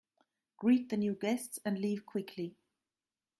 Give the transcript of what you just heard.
Greet the new guests and leave quickly.